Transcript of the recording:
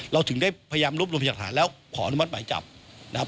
เราถึงได้พยายามรวบรวมพยากฐานแล้วขออนุมัติหมายจับนะครับ